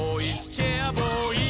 チェアボーイ！」